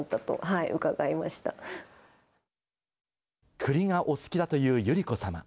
栗がお好きだという百合子さま。